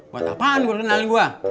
buat apaan gua kenalin gua